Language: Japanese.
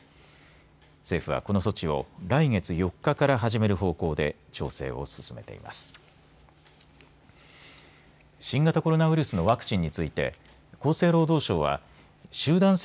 政府は、この措置を来月４日から始める方向で調整を進めています。